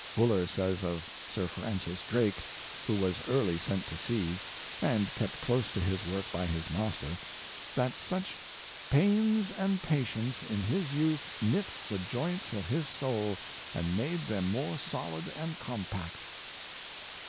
Fuller says of Sir Francis Drake, who was early sent to sea, and kept close to his work by his master, that such " pains and patience in his youth knit the joints of his soul, and made them more solid and compact."